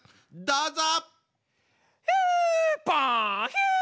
どうぞ！